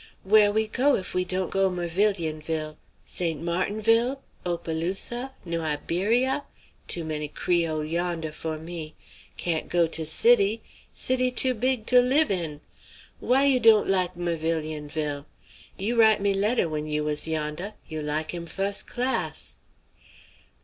Where we go if dawn't go Mervilionville? St. Martinville, Opelousas, New Iberia? Too many Creole yondah for me. Can't go to city; city too big to live in. Why you dawn't like Mervilionville? You write me letter, when you was yondah, you like him fus' class!"